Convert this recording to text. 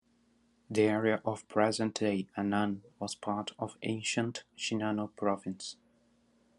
The area of present-day Anan was part of ancient Shinano Province.